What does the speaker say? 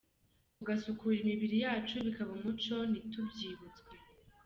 Tugasukura imibiri yacu, bikaba umuco ntitubyibutswe.